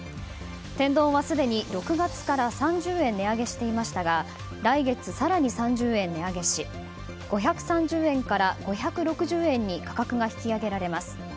天丼はすでに６月から３０円値上げしていましたが来月、更に３０円値上げし５３０円から５６０円に価格が引き上げられます。